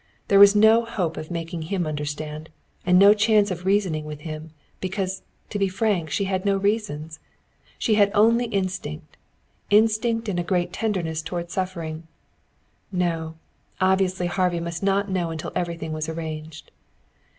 There was no hope of making him understand; and no chance of reasoning with him, because, to be frank, she had no reasons. She had only instinct instinct and a great tenderness toward suffering. No, obviously Harvey must not know until everything was arranged.